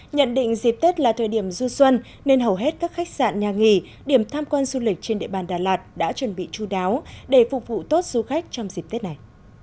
nhận định dịp tết là thời điểm du xuân nên hầu hết các khách sạn nhà nghỉ điểm tham quan du lịch trên địa bàn đà lạt đã chuẩn bị chú đáo để phục vụ tốt du khách trong dịp tết này